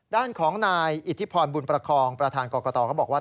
ด้านของนายอิทธิพรบุญประคองประธานกรกตก็บอกว่า